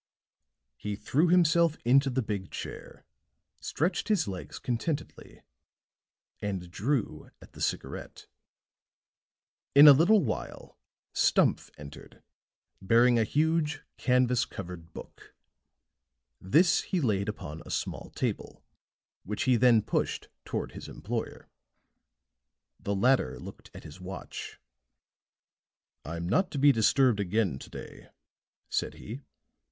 He threw himself into the big chair, stretched his legs contentedly and drew at the cigarette. In a little while Stumph entered, bearing a huge canvas covered book; this he laid upon a small table, which he then pushed toward his employer. The latter looked at his watch. "I'm not to be disturbed again to day," said he.